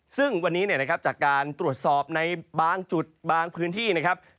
ซึ่งวันนี้เนี่ยนะครับจากการตรวจสอบในบางจุดบางพื้นที่นะครับ